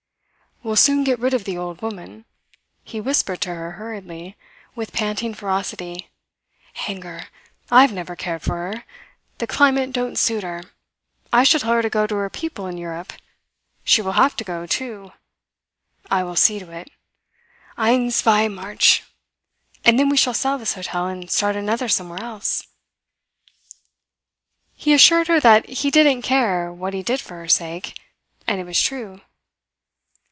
"We'll soon get rid of the old woman," he whispered to her hurriedly, with panting ferocity. "Hang her! I've never cared for her. The climate don't suit her; I shall tell her to go to her people in Europe. She will have to go, too! I will see to it. Eins, zwei, march! And then we shall sell this hotel and start another somewhere else." He assured her that he didn't care what he did for her sake; and it was true.